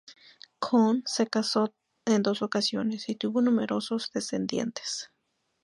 Conn se casó en dos ocasiones, y tuvo numerosos descendientes.